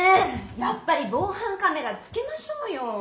やっぱり防犯カメラつけましょうよォ。